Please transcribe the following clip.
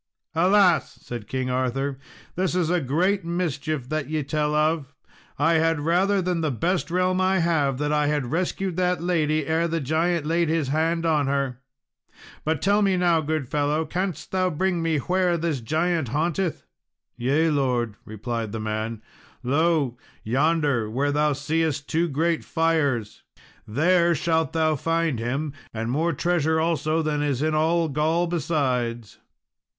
"Alas!" said King Arthur, "this is a great mischief that ye tell of. I had rather than the best realm I have, that I had rescued that lady ere the giant laid his hand on her; but tell me now, good fellow, canst thou bring me where this giant haunteth?" "Yea, Lord!" replied the man; "lo, yonder, where thou seest two great fires, there shall thou find him, and more treasure also than is in all Gaul besides."